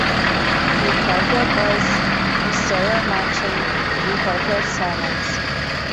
We heard your voice, we saw your marching, we heard your sermons.